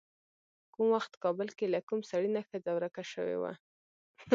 کوم وخت کابل کې له کوم سړي نه ښځه ورکه شوې وه.